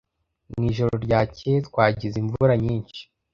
Mu ijoro ryakeye twagize imvura nyinshi.